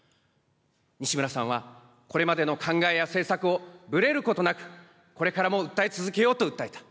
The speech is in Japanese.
西村さんは、これまでの考えや政策を、ぶれることなく、これからも訴え続けようと訴えた。